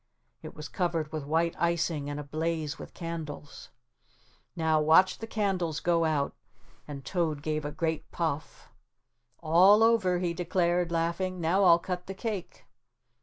It was covered with white icing and ablaze with candles. "Now watch the candles go out," and Toad gave a great puff. "All over," he declared, laughing, "now I'll cut the cake."